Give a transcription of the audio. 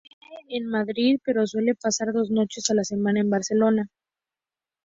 Vive en Madrid pero suele pasar dos noches a la semana en Barcelona.